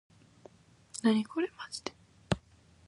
なにこれまじで